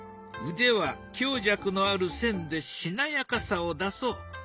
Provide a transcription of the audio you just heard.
腕は強弱のある線でしなやかさを出そう。